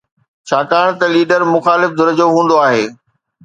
ڇاڪاڻ ته ليڊر مخالف ڌر جو هوندو آهي.